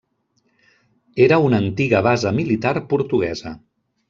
Era una antiga base militar portuguesa.